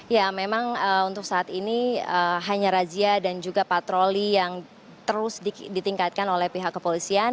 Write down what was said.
ya memang untuk saat ini hanya razia dan juga patroli yang terus ditingkatkan oleh pihak kepolisian